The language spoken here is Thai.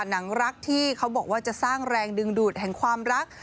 หนังรักที่เขาบอกว่าจะสร้างแรงดึงดูดแห่งความรัก